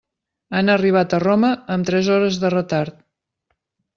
Han arribat a Roma amb tres hores de retard.